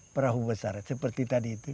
perahu besar seperti tadi itu